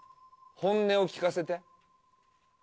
本音を聞かせて。